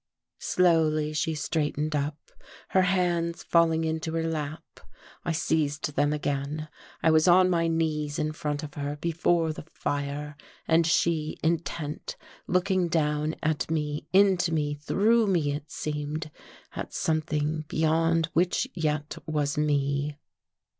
Slowly she straightened up, her hands falling into her lap. I seized them again, I was on my knees in front of her, before the fire, and she, intent, looking down at me, into me, through me it seemed at something beyond which yet was me.